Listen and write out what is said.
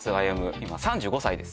今３５歳です